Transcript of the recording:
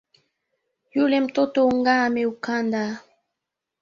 Yule mtoto unga ameukanda